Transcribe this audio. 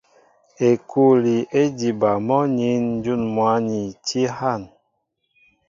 Ekûli é diba mɔ́ nín ǹjún mwǎ ni tí hân.